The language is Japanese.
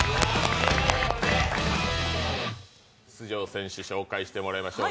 選手を紹介してもらいましょう。